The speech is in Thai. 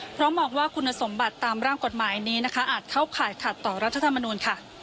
เพราะมองว่าคุณสมบัติตามร่างกฎหมายนี้นะคะอาจเข้าข่ายขัดต่อรัฐธรรมนูลค่ะ